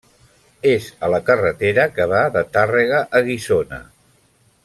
És a la carretera que va de Tàrrega a Guissona.